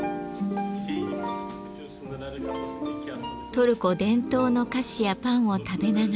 トルコ伝統の菓子やパンを食べながら。